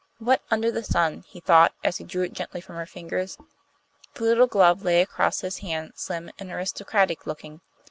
"What under the sun!" he thought, as he drew it gently from her fingers. The little glove lay across his hand, slim and aristocratic looking.